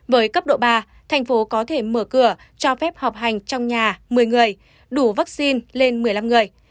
với cấp độ ba thành phố có thể mở cửa cho phép học hành trong nhà một mươi người đủ vaccine lên một mươi năm người